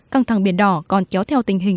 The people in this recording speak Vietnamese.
căng thẳng biển đỏ còn kéo theo tình hình